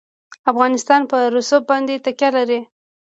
افغانستان په رسوب باندې تکیه لري.